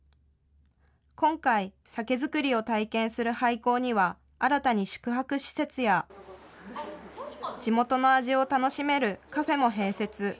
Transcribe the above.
今回、酒造りを体験する廃校には、新たに宿泊施設や、地元の味を楽しめるカフェも併設。